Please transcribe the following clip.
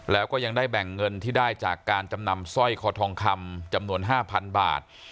แล้วก็ยังได้แบ่งเงินที่ได้จากการจำนำสร้อยคอทองคำจำนวน๕๐๐๐บาท